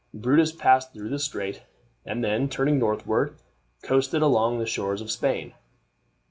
Brutus passed through the strait, and then, turning northward, coasted along the shores of Spain.